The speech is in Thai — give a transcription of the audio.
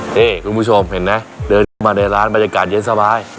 นี่คุณผู้ชมเห็นไหมเดินเข้ามาในร้านบรรยากาศเย็นสบาย